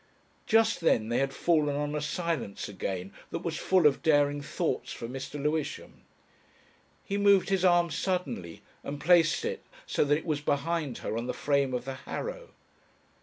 Just then they had fallen on a silence again that was full of daring thoughts for Mr. Lewisham. He moved his arm suddenly and placed it so that it was behind her on the frame of the harrow.